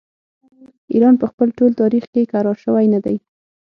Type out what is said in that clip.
ایران په خپل ټول تاریخ کې کرار شوی نه دی.